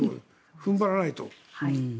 踏ん張らないと。